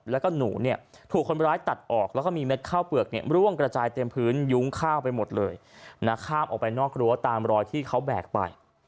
แล้วก็หนูเนี่ยถูกคนร้ายตัดออกแล้วก็มีเม็ดข้าวเปลือกรเนี่ยร่วงกระจายเต็มพื้นยุ้งข้าวไปหมดเลยนะข้ามออกไปนอกรั้วตามรอยที่เขาแบกไป